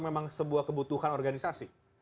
memang sebuah kebutuhan organisasi